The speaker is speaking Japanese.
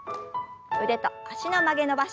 腕と脚の曲げ伸ばし。